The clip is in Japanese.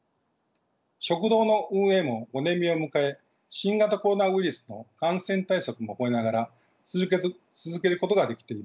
食堂の運営も５年目を迎え新型コロナウイルスの感染対策も行いながら続けることができています。